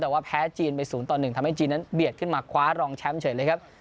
แต่ว่าแพ้จีนไป๐ต่อ๑ทำให้จีนนั้นเบียดขึ้นมาคว้ารองแชมป์เฉยเลยครับ